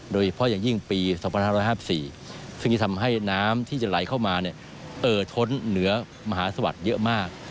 โดยเฉพาะอย่างยิ่งปี๒๕๕๔ซึ่งจะทำให้น้ำที่จะไหลเข้ามาเอ่อท้นเหนือมหาสวัสดิ์เยอะมาก